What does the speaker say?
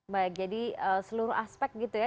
baik jadi seluruh aspek gitu ya